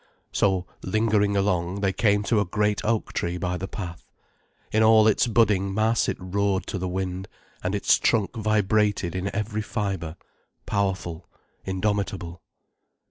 So lingering along, they came to a great oak tree by the path. In all its budding mass it roared to the wind, and its trunk vibrated in every fibre, powerful, indomitable.